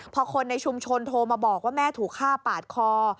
พอคนในชุมชนโทรมาบอกว่าแม่ถูกฆ่าปาดคอ